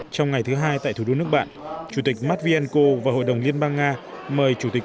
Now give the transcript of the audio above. trong ngày thứ hai tại thủ đô nước bạn chủ tịch matvienko và hội đồng liên bang nga mời chủ tịch